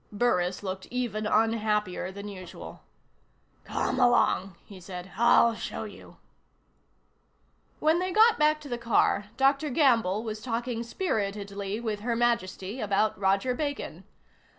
Burris looked even unhappier than usual. "Come along," he said. "I'll show you." When they got back to the car, Dr. Gamble was talking spiritedly with Her Majesty about Roger Bacon.